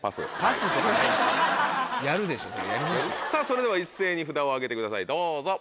それでは一斉に札を上げてくださいどうぞ。